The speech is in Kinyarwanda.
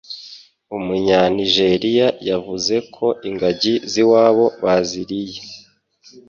Umunyanijeriya yavuze ko ingagi z'iwabo baziriye